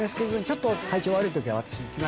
ちょっと体調悪い時は。